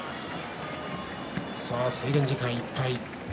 制限時間いっぱい。